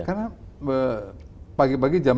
karena pagi pagi jam tiga